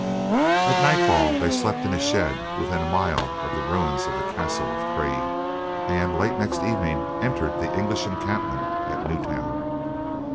At nightfall they slept in a shed within a mile of the ruins of the castle of Pres, and late next evening entered the English encampment at New Town.